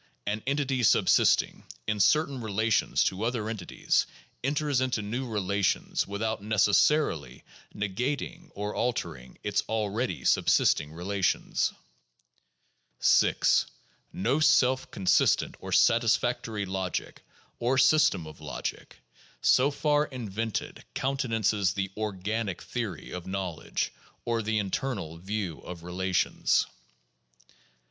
An entity subsisting in certain relations to other entities enters into new relations without necessarily negating or altering its already subsisting relations. 6. No self consistent or satisfactory logic (or system of logic) so far invented countenances the "organic" theory of knowledge or the "internal" view of relations.